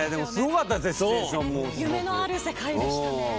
夢のある世界でしたね。